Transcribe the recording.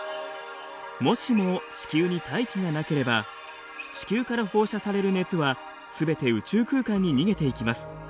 もしも地球に大気がなければ地球から放射される熱はすべて宇宙空間に逃げていきます。